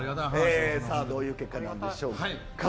どういう結果なんでしょうか。